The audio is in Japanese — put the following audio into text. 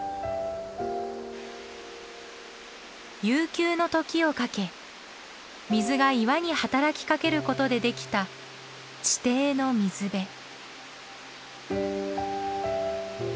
悠久の時をかけ水が岩に働きかけることでできた地底の水辺。